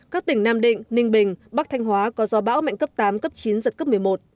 các tỉnh nam định ninh bình bắc thanh hóa có gió bão mạnh cấp tám cấp chín giật cấp một mươi một